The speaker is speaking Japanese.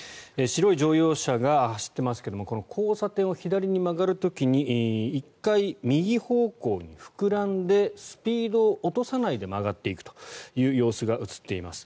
白い乗用車が走っていますがこの交差点を左に曲がる時に１回右方向に膨らんでスピードを落とさないで曲がっていくという様子が映っています。